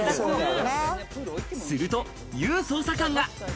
するとＹＯＵ捜査官が。